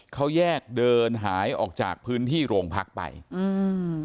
เขาแยกเดินหายออกจากพื้นที่โรงพักไปอืม